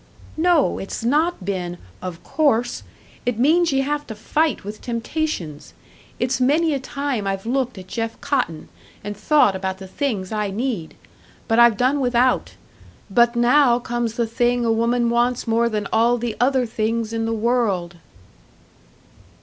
"No! It's not been 'of course'! It means ye have to fight with temptations. It's many a time I've looked at Jeff Cotton, and thought about the things I need! And I've done without! But now comes the thing a woman wants more than all the other things in the world!"